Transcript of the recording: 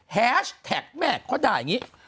แฮชแท็กแม่เขาได้อย่างนี้